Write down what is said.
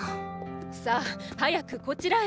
さあ早くこちらへ。